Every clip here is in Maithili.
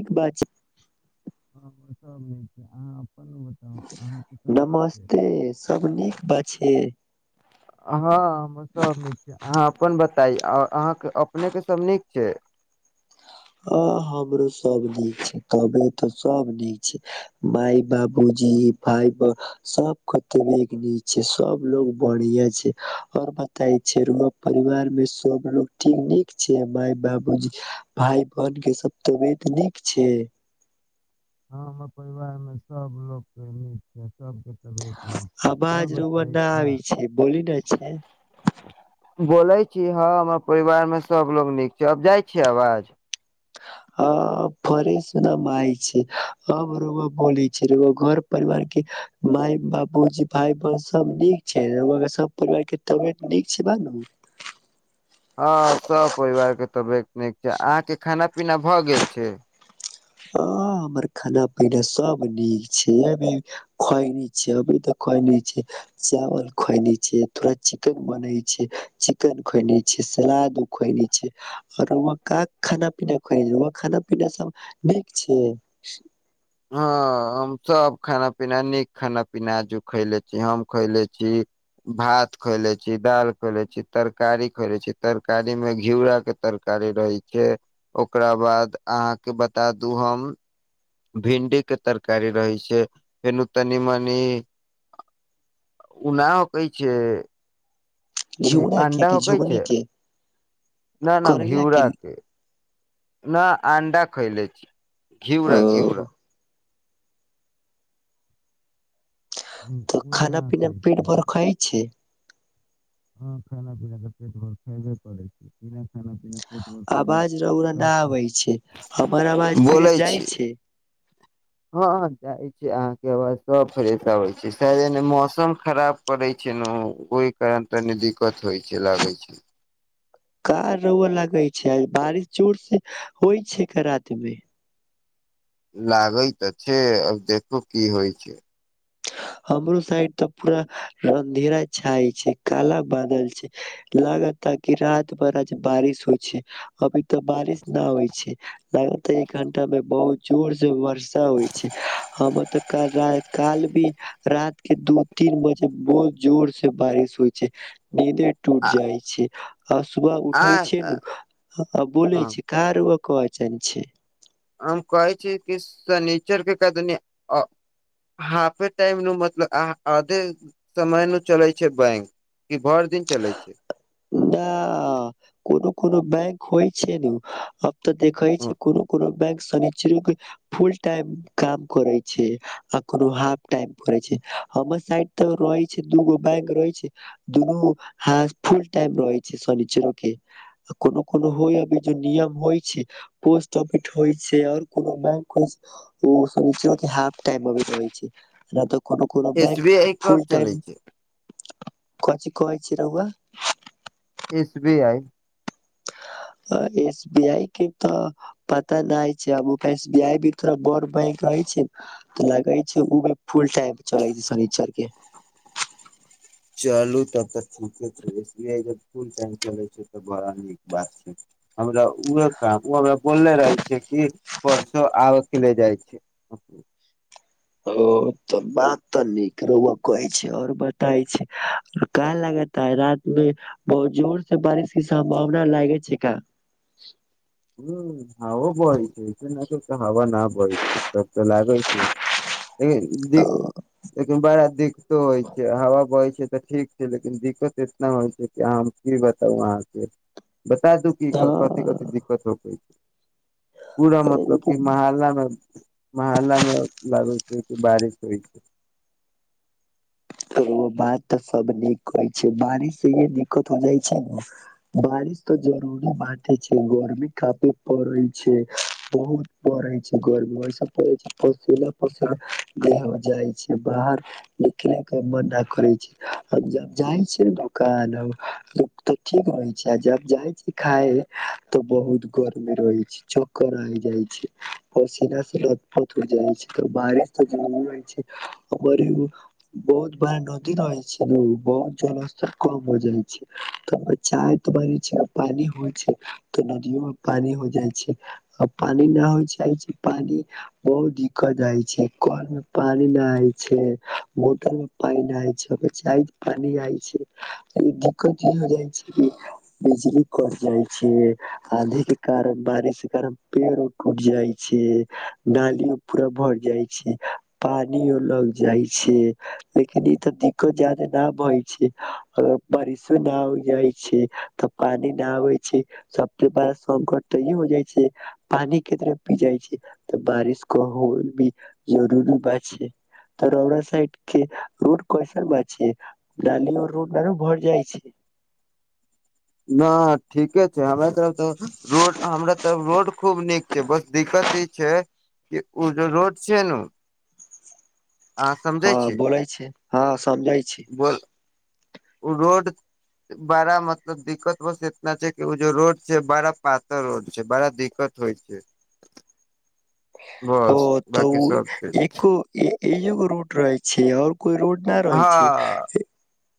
ओं चय हँ सभ नहि छै अहाँ बताउ अहाँके सब नीक छै नमस्ते सब नीक बा छैे हँ हम सभ नीक छै अहाँ अपन बताइ अहाँके अपनेके सभ नीक छै ह हमरो सब नीक छै तबे तऽ सब नीक छै माय बाबूजी भाय ब सबके तबे नीक छै सबलोग बढ़िया छै आओर बताय छै रौआ परिवार मे सबलोग ठीक नीक छै मााय बाबूजी भाय बहिन के सब तबियत नीक छै ह हमर परिवार में सब लोक के नीक छै सबके तबियत नीक छै और आबाज रौआ बताइ ना अहाँ आबैछै बोलि न छै बोलै छी हँ हमर परिवार मे सबलोग नीक छै अब जाइ छियै आवाज ह फ्रेस नमाइ छै आब रौआ बोलै छै घर परिवार के माय बाबू भाय बन सब नीक छै रौआ सब परिवार के तबियत नीक छै बानु हँ सभ परिवारके तबियत नीक छै अहाँके खाना पीना भऽ गेल छै ह हमर खाना पीना सब नीक छै अभी खाइ ने छी अभी तऽ खायने छियै चावल खयने छियै थोड़ा चिकन बनै छियै चिकेन खयने छियै सलादो खयने छियै आ रौआ का खाना पीना खयने रौआ खाना पीना सब निक छै हँ हम सभ खाना पीना नीक खाना पीना आजु खैले छी हम खैले छी भात खैलें छी दाल खैले छी तरकारी खैले छी तरकारीमे घिउराक के तरकारी रहै छै ओकरा बाद अहाँके बता दू हम भिंडीके तरकारी रहै छै फेर तनी मनी ऊनाहोकै छै ई घीउरा के अंडा कि होकै झुगनी छै के न न घिउराक के न अंडा खैले छी घिउरा अ घिउरा हम तऽ उहे ना खाना पीना खाइ पेट छियै भरि खाइ छै हँ खाना पीना तऽ पेट भरि खैबे करैत छै बिना खाना पीना पेट भर खयले आवाज रौउर न सबकुछ आबै छै हमर आवाज बोलै फ्रेश छी जाइ छै हँ जाइ छै अहाँके आवाज सब फ्रेश आबै छैे शायद एने मौसम खराब करय छै नु ओहि कारण तनी दिक्कत होइ छै लागै छै कार रउआऽ लागै छै आज बारिश जोर से होइ छै क रातिमे लागै तऽ छै अब देखू की होइ छै हमरो साइड तऽ पूरा अन्धेरा छाय छै काला बादल छै लागयता रति भर आज बारिश होइ छै अभी तऽ बारिश न होइ छै लायता एक घंटा मे बहुत जोर से बरसा होइ छै हमरा तऽ काल रात काल भी रात के दू तीन बजे बहुत जोर से बारिश होइ छै नींदे टूट आ जाइ छै आ सुबह आ उठे छै नु आ बोलै हँ छी का रउआ कहय चाहय छियै हम कहै छी कि सनिचर केदिने अ हाफे टाइम मतलब आधे समय न चलै छै बैंक कि भरि दिन चलै छै दा कोनो कोनो बैंक होइ छै नू तऽ देखइ छै कोनो कोनो बैंक सनिचरीके फुलटाइम काम करे छै आ कोनो हाफ टाइम करे छै हमर साइड तऽ रहे छै दूगो बैंक रहे छै दुनू हा फुल टाइम रहै छै सनिचरो के कोनो कोनो होय अभी जे नियम होइ छै पोस्टआफिस होइ छै आओर कोनो बैंक होइ छै ऊ सनिचरो के हाफ टाइम आब रहै छै न तऽ कोनो कोनो एस बी बैंक आई कब चलै छै कोंची कह छी रउआ SB I S B I के तऽ पता नहि हइ छै एस बी आई भी त बड़ बैंक रहै छै तऽ लगै छै ओ भी फुल टाइम चलै छै शनीचर के चलू तब तऽ ठीके छै इसलिए फूल टाइम चलै छै तऽ बड़ा नीक बात छै हमरा उह काम ओ हमरा बोलले रहै छै कि परसो आबैके ले जाइ छै ओ त बात तऽ नीक रउआ कहै छै ओर बतायै छै का लागता रात मे बहुत जोर से बारिश के सम्भावना लागे छै का ह हां ओ बङी तब हवा ना बदली तब त लागैय छै हाँ, [unintelligible] दु बारा देख होइ छै हावा बहै छै तऽ ठीक छै लेकिन दिक्कत एतना होइ छै कि अहाँ की बताउ अहाँके बता दू की कथिी कथि दिक टोकैत पूरा मतलब कि मोहल्ला मे महल्ला मे लागै छै जे कि बारिश होइ छै तऽ ओ बात तऽ सब नीक होै छै बारिश से इ दिक्कत हो जाइ छै ने बारिश तऽ जरूरी बाते छै गर्मी काफी पड़ै छै बहुत पड़ै छै गरमी वस पड़ै छै सिल पशिला देह जाइ छै से बाहर लिखैत मना करै छै जब जाइ छ दुकान दुख तऽ ठीक रहै छै आ जब जाइ छै खाए तऽ बहुत गर्मी रहै छै च्कर आ जाइ छै पसीना से लतपथ हो जाइ छै त बारिश त जर रह छैर बहुत बारा नदी रहै छै ने बहुत जल स्तर कम हो जाइ छै त चाह त पानी होइ छै तऽ नदियो मे पानी हो जाइ छै आ पानी नहि होइ चाह छै पानि बहुत दिक्कत जाइ छै कल मे पानी नहि आय छै मोटर मे पान नहिय छै च पानी आय छै दिक्कत ई हो जाय छै कि बिजली कट जाय छै आधे के कारण बारिश के कारण पेड़ो टूट जाय छै नालियो पूरा भर जाय छै पानिो लग जाय छै छियै लेकिन ई तऽ दिक्कत जादे न बै छै अर बारिशो नहि हो जाइ छै तऽ पानी नहि आबै छै सबे बड़ा संकट तऽ ई हो जाइ छै पानी केतरे पी जाइ छै तऽ बारिश को हो भी जरूरी ब छै त ड के रोड कैसन छै डाल रोडार भरि जाइ छै न ठीके छै हमे सबसे रोड हमरा तरफ रोड खूब निक जे बस दिक्कत ई छै कि ओ जे रोड छै न हँ बोलैय छी हँ समझै छी बोल ओ रोड बड़ा मतलब दिक्कत बस इतना छै कि ओ जेो रोड छै बड़ा पातर रोड छै बड़ा दिक्कत होइ छै ओ बस त बाकी सब छै एको एक इ एोगो रूट रहे छी आओर कोइ रोड न रहै हँ छै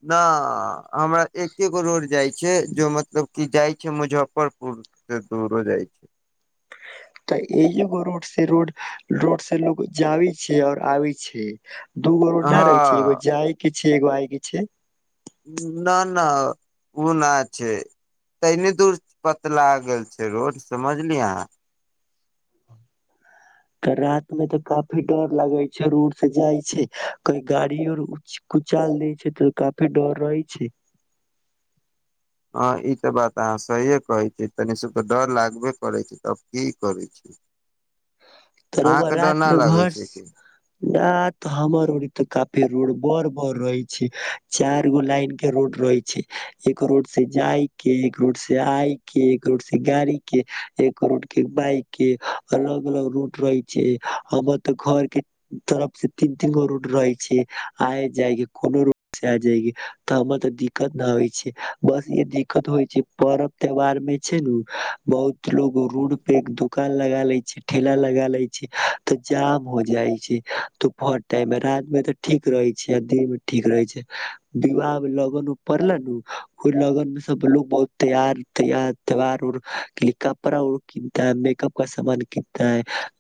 न हमरा एकके गो रोड जाइ छै छै जो मतलब कि जाइ छै मुजफ्फरपुर से दूरो जाइ छै तऽ एजगो रोड से रोड रोड से लोक जाबी छियै और आ छियै दूगो रोडा रहै छै एगो हँ जायके छै एगो आइ के छै न न ओ ना छै तहिनी दूर पतलााग गेल छै रोड समझलियै अहाँ तऽ राति मे तऽ काफी डर लगै छै रोड से जाइ छै कोई गाड़ी आर कुचाल दै छै तऽ काफी डर रहै छै हँ ई तऽ बात अहाँ सहिए कहै छियै तनि सभकेऽ डर लागबे करै छै तब की करै छी त रउआ अहाँके डर रात नहि मे लागै छै घरसे की न तऽ हमर त काफे रोड बड़ रहै छै चार गो लाइन के रोड रहै छै एक रोड से जाय के एक रोड से आय के एक रोड से गाड़ी के एक रोड के बाइक के अलग उठय छै हमर तऽ घर के तरफ से तीन तीन गो रूट रहे छै आ जायगे कोनो रूट से आ जायगे तऽ हमर ते दिक्कत न होइ छै बस ईे दिक्कत होइ छै परर्व त्योहार में छै ने बहुत लोगो रूड पे द काल लगा लै छै ठेला लगा ले छी तऽ जाम हो जाइ छै तूपर टाइम मे रात में त ठीक रहे छै आ दिन में ठीक रहे छै विवाह मे लगन उ पड़लेु ओ लगन में सब लोग बहुत तैयार तयार त्यार कपड़ा उ कनता मेकअप का सामान किनता तै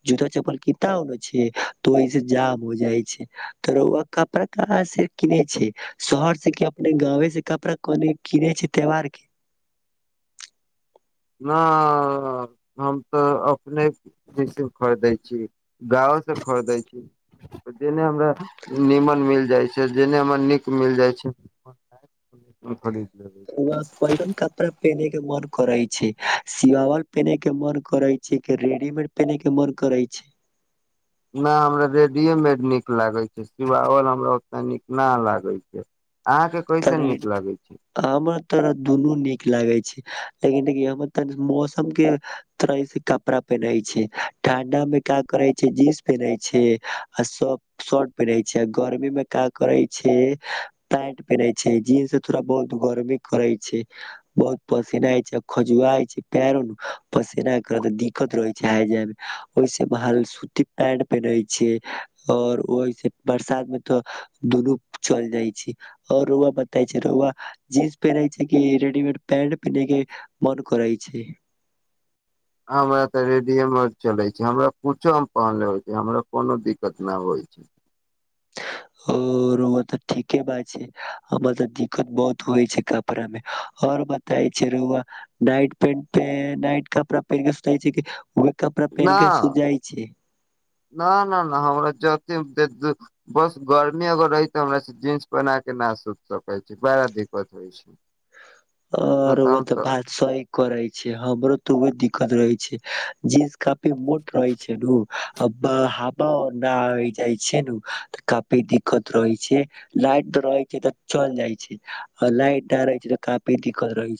जूता चप्पल कीताउ ने छै तऽ ओहिस जाम हो जाइ छै त कपड़ा कहाँ से किने छै शहर से कि अपने गाँव से कपड़ाने किने छै त्यौहार के न हम तऽ अपनेसम खरीदै छी गायोसँ खरीदै छी जेने हमरा नीमन मिल जाइ छै जेने हमरा नीक मिल जाइ छै खरीद छी त कइसन कपड़ा पेन्हे के मन करै छैई सियाावल पेन्हे के मन करै छैई कि रेडीमेड पेन्हे के मन करै छैई न हमरा रेडीएमेड नीक लागे छै सिवावल हमरा ओतना नीक न लागे छै अहाँके कैसन तनि नीक लागै छै हमरा तोरा दुनू नीक लागे छै लेकिन देखिही हम त मौसम के तरह स कपड़ा पहिनैछी ठांडा मे की करै छै जींस पहिनैछी छी आ श शर्ट पहिनैछी गर्मी मे का करै छी पेंट पहिनैय छीयै जींस से थोड़ा बहुत गर्मी करै छैइ बहुत पसेनाइ छैई खजुआइ छैइ पैरो पसीना दिक्कत रहै छैई आ जाय मे ओहिसे भाई सूती पेंट पेन्हैइ छीअई और ओहिस बरसात में तो दुनू चल जाइछइ छैई आओर रोआा बताै छै रोवा जींस पहिनेै छै कि रेडीमेड पेंट पहिनेै के मन करै छै हमरा तऽ रेडियोमेड चलै छैइ हमरा कुछो हम पहन लेबइ छी हमरा कोनो दिक्कत नह होइ छैइ ओ रउआ तऽ ठीके बात छैइ हमर तऽ दिक्कत बहुत होइ छैइ कपड़ा में और बताइ छैइ रउआ नाइट पेंट नाइट कपड़ा पहिर के सुतै छि की न न न न हमरा बस गर्मी अगर रही तऽ हमरा जींस पहिना के नहि सुति सकै छी बड़ा दिक्कत होइ छै आओर ओ तऽ भात स ही करै छै हमरो तऽ ओ दिक्कत रहै छै जीन्स काफी मोट रहै छै ने आ हावा न आ जाइ छैऽन काफी दिक्कत रहै छैइ लाइट रहै छैइ तऽ चल जाइ छैइ लाइट नहि रहै छै तऽ काफी छै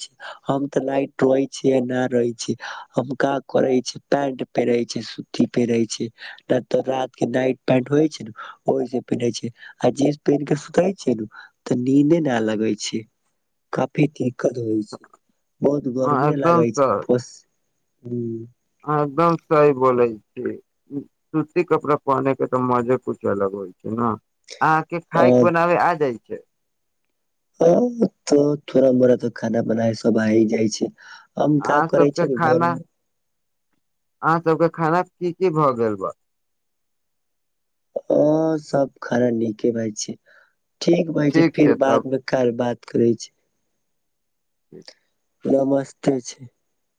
हम ते लाइट रहे छी नहि रहे छी हम का करे छी पेंट पेरे छै सूती पहिरे छै न तो रात के नाइट पेंट होई छै ने ओहि से पहिरे छै आ जींस पहिर के सुते छै न तऽ नींदे न लगे छैइ पीथि दिक्कत होइ छैइ बहुत हँ गर्मी न एकदम लागै छैइ प हूं हां एकदम सही बोलैछिय सूती कपड़ा पहन के तऽ मजे कुछ अलग होइ छैइ हं अहाँ के खायक बनाबे आ जाय के ह तऽ थोड़ा मोरा तऽ खाना बना सब आही जाइ छैइ हम का अहाँ करै सबके छ न घर में अहाँसभके खाना की की भऽ गेल बा हँ सब खराब नीके रहैइ छैइ ठीक भायजी फिर छै बाद तब मे काल्ह बात करै छी ह्म [inaudible] ओ मस्ते छैइ